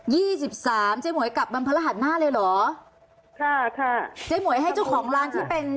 ี่สิบสามเจ๊หมวยกลับวันพระรหัสหน้าเลยเหรอค่ะค่ะเจ๊หมวยให้เจ้าของร้านที่เป็น